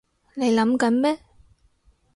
你諗緊咩？